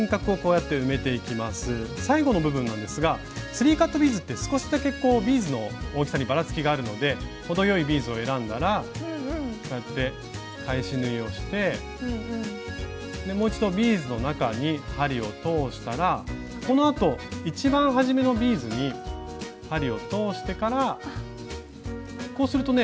最後の部分なんですがスリーカットビーズって少しだけビーズの大きさにバラつきがあるので程よいビーズを選んだらこうやって返し縫いをしてもう一度ビーズの中に針を通したらこのあと一番初めのビーズに針を通してからこうするとね流れがきれいにまとまるので。